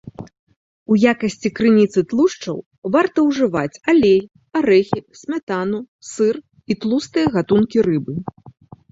У якасці крыніцы тлушчаў варта ўжываць алей, арэхі, смятану, сыр і тлустыя гатункі рыбы.